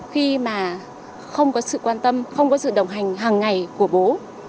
khi mà không có sự quan tâm không có sự đồng hành hàng ngày của bố